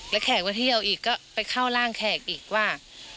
แล้วแขกก็เที่ยวอีกก็ไปเข้าร่างแขกอีกว่า